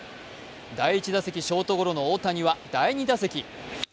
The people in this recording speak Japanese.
第１打席ショートゴロの大谷は第２打席。